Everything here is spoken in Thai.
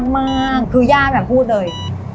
มากคือย่าแม่แม่พูดเลย